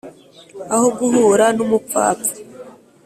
Aho guhura n umupfapfa